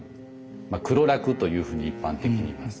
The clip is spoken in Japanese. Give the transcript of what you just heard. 黒樂というふうに一般的に言います。